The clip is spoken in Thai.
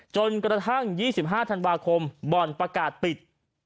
จนกระทั่ง๒๕ธันวาคมบ่อนประกาศปิด